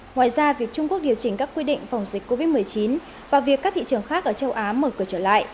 ngoài ra việc trung quốc điều chỉnh các quy định phòng dịch covid một mươi chín và việc các thị trường khác ở châu á mở cửa trở lại